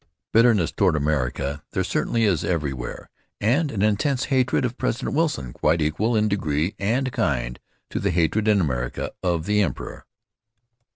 Bitterness toward America there certainly is everywhere, and an intense hatred of President Wilson quite equal in degree and kind to the hatred in America of the emperor....